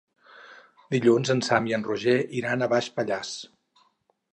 Dilluns en Sam i en Roger iran a Baix Pallars.